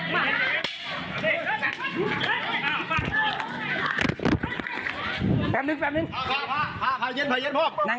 เรื่อง